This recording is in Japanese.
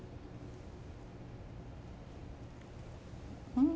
うん。